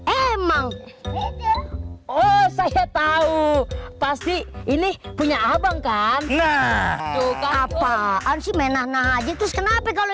emang oh saya tahu pasti ini punya abang kan apaan sih menang nang aja terus kenapa kalau